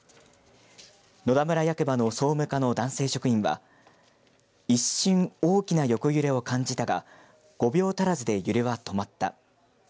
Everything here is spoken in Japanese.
野田村役場の総務課の男性職員は一瞬、大きな横揺れを感じたが５秒足らずで揺れは止まった。